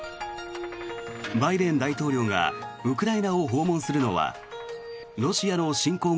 バイデン大統領がウクライナを訪問するのはロシアの侵攻後